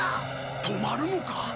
止まるのか？